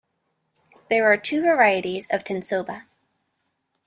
There are two varieties of tensoba.